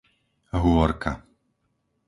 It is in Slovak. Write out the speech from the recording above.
Hôrka